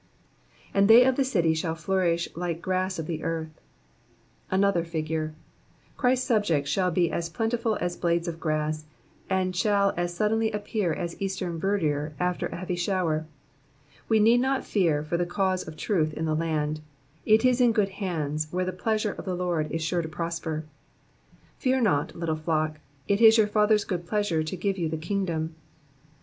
'And they of the city shall flo^irish like gra*s of the earth.^^ Another figure. Christ's subjects shall be as plentiful as blades of grass, and shall as suddenly appear as eastern verdure after a heavy shower. We need not fear for the cause of truth in the land ; it is in good hands, where the pleasure of the Lord is sure to prosper. '' Fear not, little tiock, it is your Father's good pleasure to give you the kingdom."